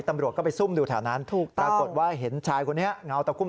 ตำรวจก็ไปซุ่มดูแถวนั้นปรากฏว่าเห็นชายคุณแน่งาวตะกุ้ม